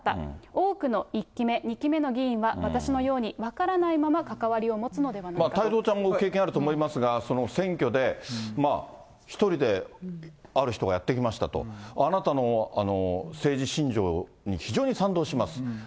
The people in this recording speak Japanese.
多くの１期目、２期目の議員は私のように分からないまま関わりをもつのではない太蔵ちゃんも経験あると思いますが、選挙で１人である人がやって来ましたと。あなたの政治信条に非常に賛同します。